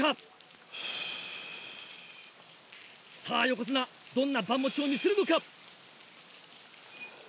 さぁ横綱どんな盤持ちを見せるのか？